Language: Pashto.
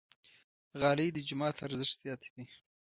غالۍ د جومات ارزښت زیاتوي.